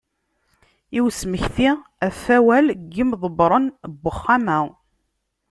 I usmekti, ɣef wawal n yimḍebbren n Uxxam-a.